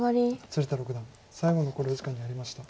鶴田六段最後の考慮時間に入りました。